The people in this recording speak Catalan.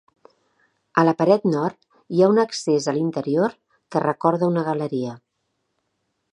A la paret nord hi ha un accés a l'interior que recorda una galeria.